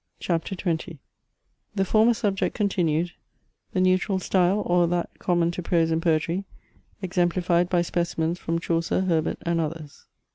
CHAPTER XX The former subject continued The neutral style, or that common to Prose and Poetry, exemplified by specimens from Chaucer, Herbert, and others.